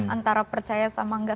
antara percaya sama enggak